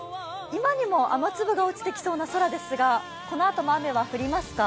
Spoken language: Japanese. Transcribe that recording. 今にも雨粒が落ちてきそうな空ですがこのあとも雨は降りますか？